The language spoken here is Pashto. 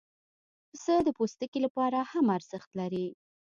پسه د پوستکي لپاره هم ارزښت لري.